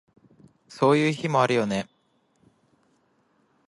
そういう日もあるよね